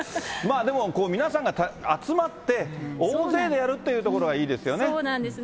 でもこう、皆さんが集まって、大勢でやるっていうところがいいでそうなんです、